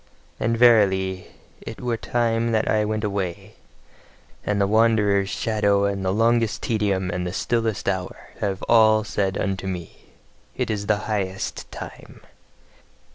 And verily, it were time that I went away; and the wanderer's shadow and the longest tedium and the stillest hour have all said unto me: "It is the highest time!"